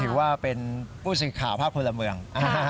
ถือว่าเป็นผู้สื่อข่าวภาคพลเมือง